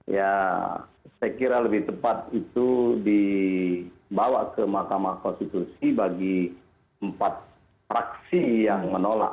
ya saya kira lebih tepat itu dibawa ke mahkamah konstitusi bagi empat fraksi yang menolak